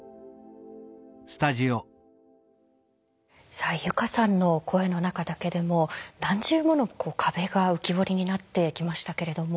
さあ友佳さんの声の中だけでも何重もの壁が浮き彫りになってきましたけれども。